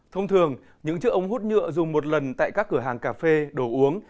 thông thường những chiếc ống hút nhựa dùng một lần tại các cửa hàng cà phê đồ uống